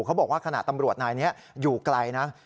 เขาบอกว่าขณะตำรวจนายนี้อยู่ไกลนะ